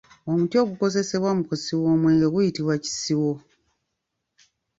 Omuti ogukozesebwa okusiwa omwenge guyitibwa Kisiwo.